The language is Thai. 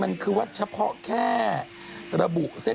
มันคือว่าเฉพาะแค่ระบุเส้นผ่าน